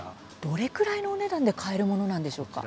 どれくらいのお値段で買えるものなんでしょうか。